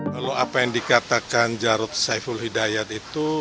lalu apa yang dikatakan jarod saiful hidayat itu